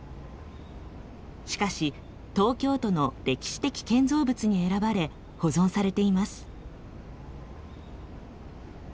しかし東京都の歴史的建造物に選ばれ保存されています。